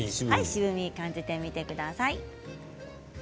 渋みを感じてみてください。